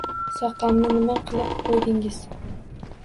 Soqqamni nima qilib qo‘ydingiz?!